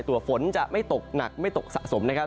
ฝนจะไม่ตกหนักไม่ตกสะสมนะครับ